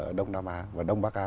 ở đông nam á và đông bắc á